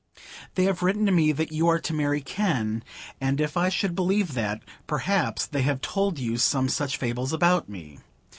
"They have written to me that you are to marry Kenn. As if I should believe that! Perhaps they have told you some such fables about me.